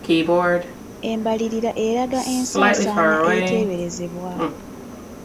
Embalirira eraga ensaasaanya eteeberezebwa.